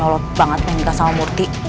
kalau banget mengikah sama murthy